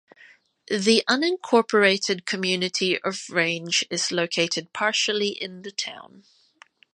The unincorporated community of Range is located partially in the town.